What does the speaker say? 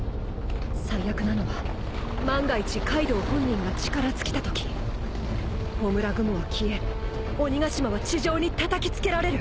最悪なのは万が一カイドウ本人が力尽きたとき焔雲は消え鬼ヶ島は地上にたたきつけられる。